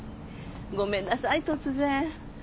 ごめんなさい突然。